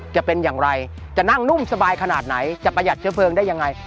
จะเป็นอย่างไรจะนั่งนุ่มสบายขนาดไหนจะประหยัดเชื้อเพลิงได้ยังไง